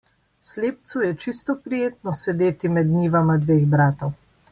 Slepcu je čisto prijetno sedeti med njivama dveh bratov.